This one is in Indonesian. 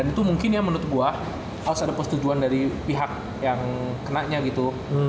itu mungkin ya menurut gue harus ada persetujuan dari pihak yang kenanya gitu